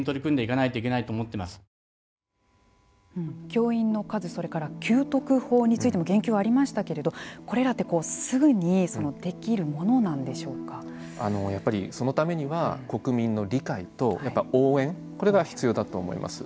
教員の数それから給特法についても言及がありましたけれどもこれらってやっぱりそのためには国民の理解と応援、これが必要だと思います。